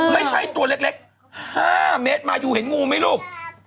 ไม่ใช่ตัวเล็ก๕เมตรมายูเห็นงูไหมลูก